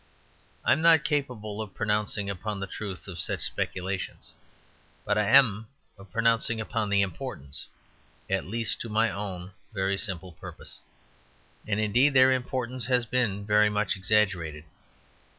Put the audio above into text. I am not capable of pronouncing upon the truth of such speculations, but I am of pronouncing upon their importance; at least, to my own very simple purpose. And indeed their importance has been very much exaggerated.